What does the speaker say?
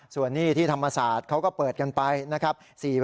ส่วนนี้ที่ธรรมศาสตร์เขาก็เปิดกันไปนะครับ